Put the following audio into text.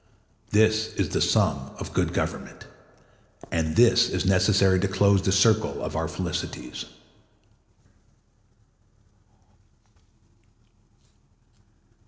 This is the sum of good government, and this is necessary to close the circle of our felicities.